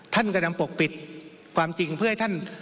ท่านกำลังปกปิดความจริงเพื่อให้ท่าน